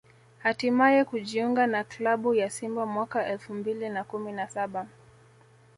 hatimaye kujiunga na klabu ya Simba mwaka elfu mbili na kumi na saba